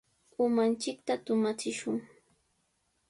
Umanchikta tumachishun.